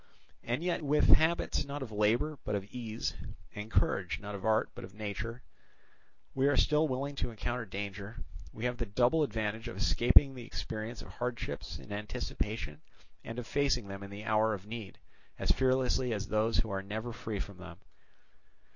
And yet if with habits not of labour but of ease, and courage not of art but of nature, we are still willing to encounter danger, we have the double advantage of escaping the experience of hardships in anticipation and of facing them in the hour of need as fearlessly as those who are never free from them.